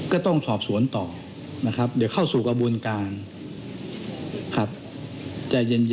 ก็ต้องสอบสวนต่อเดี๋ยวเข้าสู่กระบวนการใจเย็น